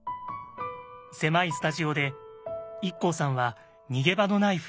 狭いスタジオでＩＫＫＯさんは“逃げ場のない”不安に襲われます。